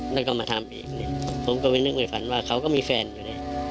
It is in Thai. แล้วก็มาทำอีกเนี่ยผมก็ไปนึกไม่ฝันว่าเขาก็มีแฟนอยู่นี่